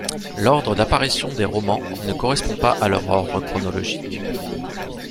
L'ordre d'apparition des romans ne correspond pas à leur ordre chronologique.